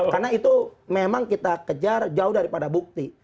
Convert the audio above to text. karena itu memang kita kejar jauh daripada bukti